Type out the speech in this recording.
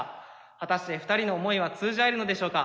果たして２人の思いは通じ合えるのでしょうか。